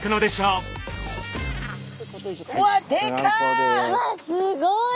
うわっすごい！